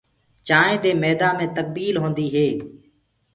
چآنٚينٚ دي ميدآ مي تڪبيل هوندي هي۔